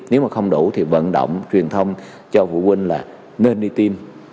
nếu mà không đủ thì vận động truyền thông cho phụ huynh là nên đi tiêm